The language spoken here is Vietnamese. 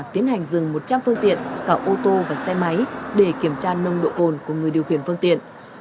tiến hành dừng một trăm linh phương tiện cả ô tô và xe máy để kiểm tra nông độ cồn của người điều khiển phương tiện